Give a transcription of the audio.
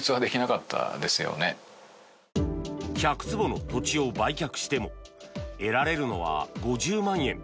１００坪の土地を売却しても得られるのは５０万円。